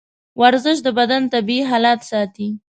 ورزش د بدن طبیعي حالت ساتي.